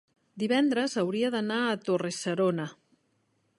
divendres hauria d'anar a Torre-serona.